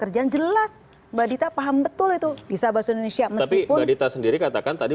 kerja jelas badita paham betul itu bisa bahasa indonesia meskipun badita sendiri katakan tadi